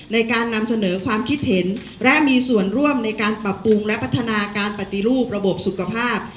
ในการนำเสนอความคิดเห็นและมีส่วนร่วมในการปรับปรุงและพัฒนาการปฏิรูประบบสุขภาพ